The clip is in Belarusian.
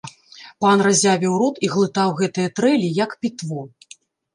Пан разявіў рот і глытаў гэтыя трэлі, як пітво.